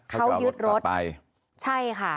เขายึดรถไป